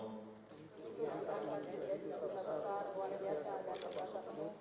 untuk diangkat menjadi duta besar luar biasa dan berkuasa penuh